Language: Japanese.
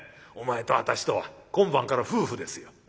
お前と私とは今晩から夫婦ですよ。